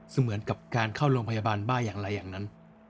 เหมือนกับการเข้าโรงพยาบาลบ้าอย่างไรอย่างนั้น